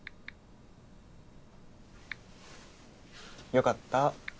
よかった。